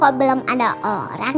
kok belum ada orang